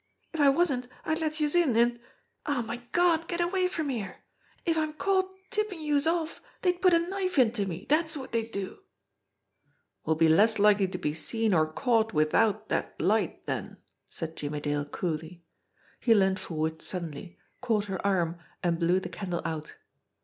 If I wasn't, I'd let youse in, an' aw, my Gawd, get away from here! If I'm caught tippin' youse off dey'd put a knife into me, dat's wot dey'd do !" "We'll be less likely to be seen or caught without that light, then," said Jimmie Dale coolly. He leaned forward suddenly, caught her arm, and blew the candle out.